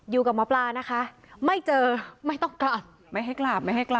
อยู่กับหมอปลานะคะไม่เจอไม่ต้องกลับไม่ให้กราบไม่ให้กลับ